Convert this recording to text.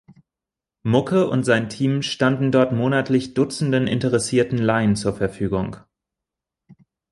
Mucke und sein Team standen dort monatlich Dutzenden interessierten Laien zur Verfügung.